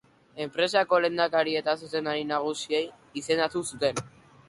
Enpresako lehendakari eta zuzendari nagusi izendatu zuten.